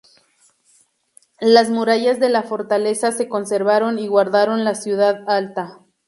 Las murallas de la fortaleza se conservaron y guardaron la ciudad alta.